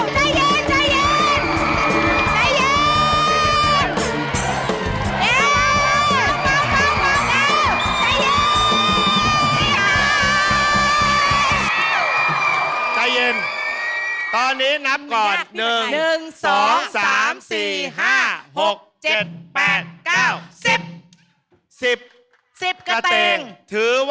พี่ลิปตบพี่ลิปตบเร็ว